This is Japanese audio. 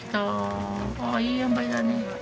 いいあんばいだね。